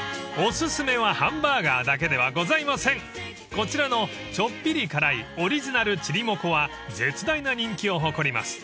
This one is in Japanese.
［こちらのちょっぴり辛いオリジナルチリモコは絶大な人気を誇ります］